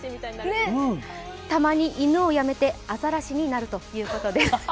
たまに犬をやめてアザラシになるということです。